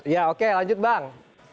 ya oke lanjut bang